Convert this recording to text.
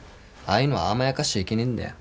ああいうのは甘やかしちゃいけねえんだよ。